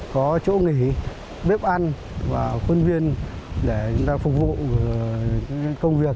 có chỗ nghỉ bếp ăn và khuôn viên để chúng ta phục vụ công việc